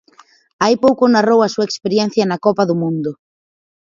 Hai pouco narrou a súa experiencia na copa do mundo.